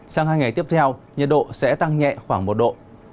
sang hai ngày tiếp theo nhiệt độ sẽ tăng nhẹ khoảng một độ